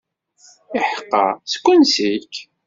Iḥeqqa, seg wansi-k?